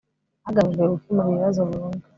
hagamijwe gukemura ibibazo burundu